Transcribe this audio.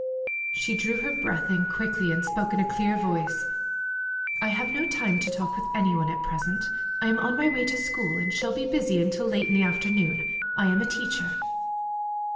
She drew her breath in quickly, and spoke in a clear voice: "I have no time to talk with any one at present. I am on my way to school, and shall be busy until late in the afternoon. I am a teacher."